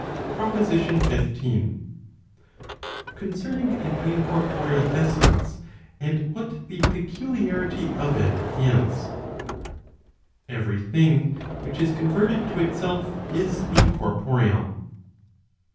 PROPOSITION XV. Concerning an incorporeal essence , and what the peculiarity of it is. Every thing which is converted to itself is incorporeal.